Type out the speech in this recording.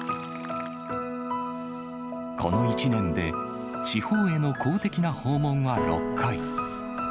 この１年で、地方への公的な訪問は６回。